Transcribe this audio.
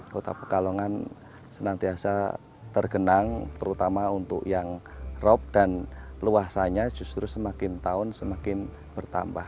kota pekalongan senantiasa tergenang terutama untuk yang rop dan luasannya justru semakin tahun semakin bertambah